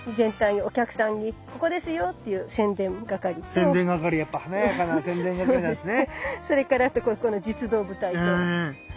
で宣伝係やっぱ華やかな宣伝係なんですね。